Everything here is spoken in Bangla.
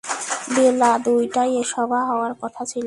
বেলা দুইটায় এ সভা হওয়ার কথা ছিল।